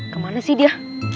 kemana sih dia